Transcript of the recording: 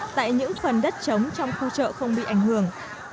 tại những phần đất chống trong khu chợ không bị ảnh hưởng